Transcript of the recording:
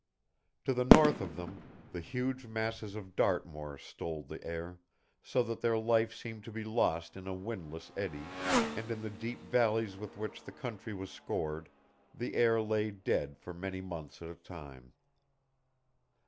To the north of them, the huge masses of Dartmoor stole the air, so that their life seemed to be lost in a windless eddy, and in the deep valleys with which the country was scored the air lay dead for many months at a time.